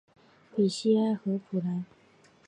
比西埃和普兰。